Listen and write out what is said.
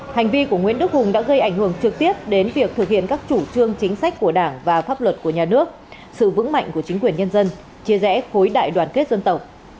hành vi của nguyễn đức hùng đã gây ảnh hưởng trực tiếp đến việc thực hiện các chủ trương chính sách của đảng và pháp luật của nhà nước sự vững mạnh của chính quyền nhân dân chia rẽ khối đại đoàn kết dân tộc